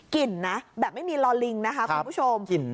นะแบบไม่มีลอลิงนะคะคุณผู้ชม